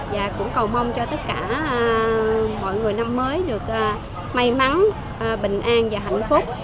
và cũng cầu mong cho tất cả mọi người năm mới được may mắn bình an và hạnh phúc